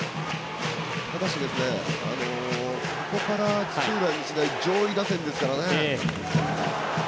ただし、ここから土浦日大上位打線ですからね。